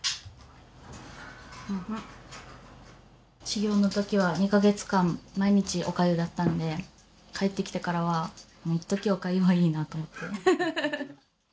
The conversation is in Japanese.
修行のときは２カ月間毎日おかゆだったので帰ってきてからはもういっときおかゆはいいなと思って。